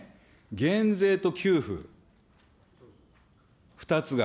減税と給付、２つが。